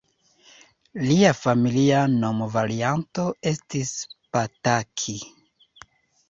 Lia familia nomvarianto estis Pataki.